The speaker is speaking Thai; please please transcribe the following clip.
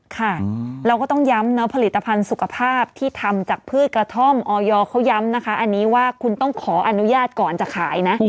ค่ะเราก็ต้องย้ำนะผลิตภัณฑ์สุขภาพที่ทำจากพืชกระท่อมออยเขาย้ำนะคะอันนี้ว่าคุณต้องขออนุญาตก่อนจะขายนะ